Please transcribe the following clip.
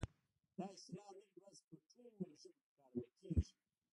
دا اصطلاح نن ورځ په ټولو ژبو کې کارول کیږي.